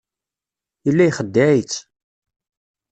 Yella ixeddeɛ-itt.